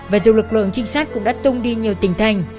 và dù lực lượng trinh sát cũng đã tung đi nhiều tỉnh thành